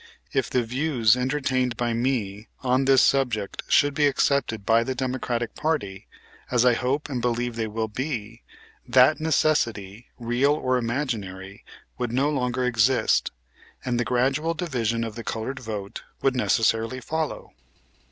If the views entertained by me on this subject should be accepted by the Democratic party, as I hope and believe they will be, that necessity, real or imaginary, would no longer exist, and the gradual division of the colored vote would necessarily follow."